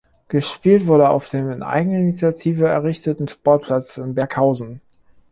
Gespielt wurde auf dem in Eigeninitiative errichteten Sportplatz in Berghausen.